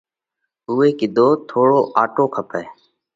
اُوئہ ڪِيڌو: ٿوڙو آٽو کپئه۔